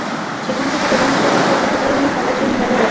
সেখান থেকে টেনেহিঁচড়ে কিছু একটা পুকুরে নিয়ে ফেলার চিহ্ন দেখা গেল।